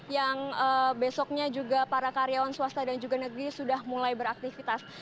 yang besoknya juga para karyawan swasta dan juga negeri sudah mulai beraktivitas